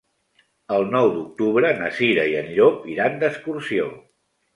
El nou d'octubre na Cira i en Llop iran d'excursió.